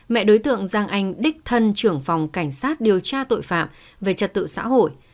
mẹ đối tượng giang anh đích thân trưởng phòng cảnh sát điều tra tội phạm về trật tự xã hội